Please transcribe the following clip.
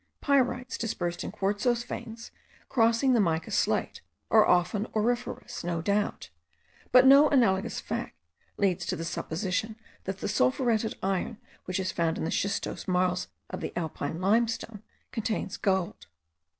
Pyrites dispersed in quartzose veins, crossing the mica slate, are often auriferous, no doubt; but no analogous fact leads to the supposition that the sulphuretted iron which is found in the schistose marls of the alpine limestone, contains gold.